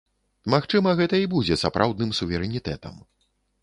Магчыма, гэта і будзе сапраўдным суверэнітэтам.